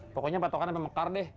pokoknya patokannya pemekar deh